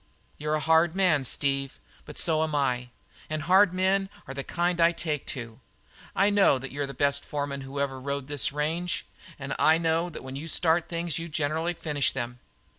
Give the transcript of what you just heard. "You're a hard man, Steve, but so am I; and hard men are the kind I take to. I know that you're the best foreman who ever rode this range and I know that when you start things you generally finish them.